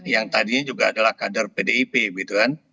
yang tadinya juga adalah kader pdip gitu kan